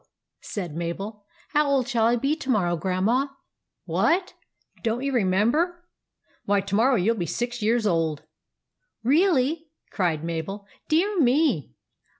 said Mabel. "How old shall I be to morrow, Grandma ?" "What? Don't you remember? Why, to morrow you '11 be six years old." "Really?" cried Mabel. "Dear me!